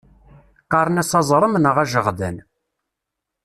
Qqaren-as aẓrem neɣ ajeɣdan.